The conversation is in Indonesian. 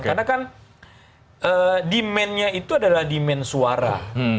karena kan demandnya itu adalah demand suara